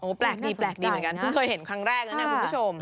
โอ้แปลกดีเหมือนกันเพิ่งเคยเห็นครั้งแรกนะคุณผู้ชม